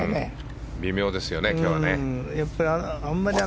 微妙ですね、今日は。